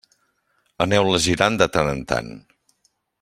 Aneu-la girant de tant en tant.